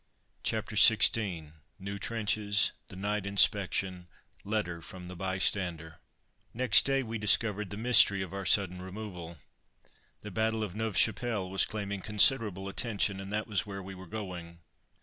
CHAPTER XVI NEW TRENCHES THE NIGHT INSPECTION LETTER FROM THE "BYSTANDER" Next day we discovered the mystery of our sudden removal. The battle of Neuve Chapelle was claiming considerable attention, and that was where we were going.